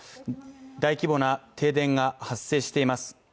大規模な停電が発生しています。